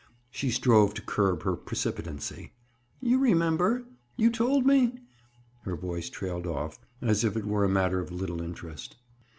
She strove to curb her precipitancy. "You remember? You told me?" Her voice trailed off, as if it were a matter of little interest.